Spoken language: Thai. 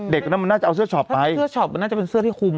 เด็กนั้นมันน่าจะเอาเสื้อช็อปไปเสื้อช็อปมันน่าจะเป็นเสื้อที่คุม